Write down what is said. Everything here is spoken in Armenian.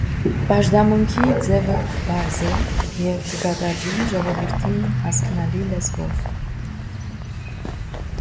Պաշտամունքի ձեւը պարզ է եւ կը կատարուի ժողովուրդին հասկնալի լեզուով։